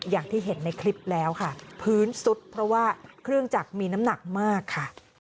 อย่างที่เห็นในคลิปแล้วค่ะพื้นซุดเพราะว่าเครื่องจักรมีน้ำหนักมากค่ะ